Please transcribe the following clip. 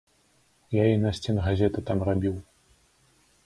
Я і насценгазеты там рабіў.